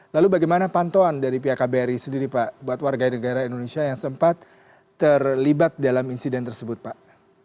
lalu bagaimana pantauan dari pihak kbri sendiri pak buat warga negara indonesia yang sempat terlibat dalam insiden tersebut pak